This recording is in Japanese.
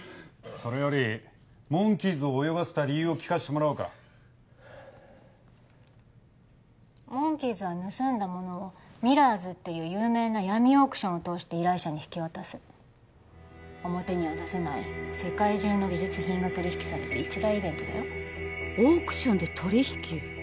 それよりモンキーズを泳がせた理由を聞かせてもらおうかモンキーズは盗んだものをミラーズっていう有名な闇オークションを通して依頼者に引き渡す表には出せない世界中の美術品が取り引きされる一大イベントだよオークションで取り引き？